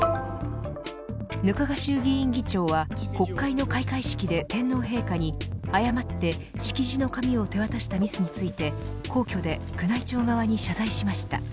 額賀衆議院議長は国会の開会式で天皇陛下に誤って式辞の紙を手渡したミスについて皇居で宮内庁側に謝罪しました。